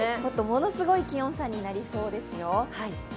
ものすごい気温差になりそうですよ。